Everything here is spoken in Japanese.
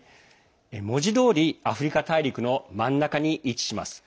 文字どおり、アフリカ大陸の真ん中に位置します。